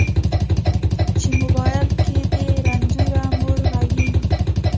چې موبایل کې دې رنځوره مور غږیږي